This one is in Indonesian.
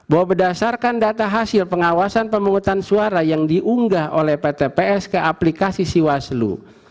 bahwa berdasarkan data hasil pengawasan pemungutan suara yang diunggah oleh pt ps ke aplikasi siwaslu